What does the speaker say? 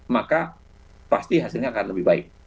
maka pasti hasilnya akan lebih baik